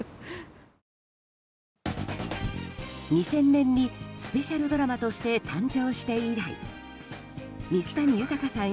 ２０００年にスペシャルドラマとして誕生して以来水谷豊さん